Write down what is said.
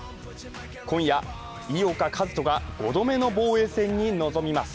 今夜、井岡一翔が５度目の防衛戦に臨みます。